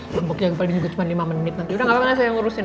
kelompok yang paling juga cuma lima menit nanti udah gak apa apa saya ngurusin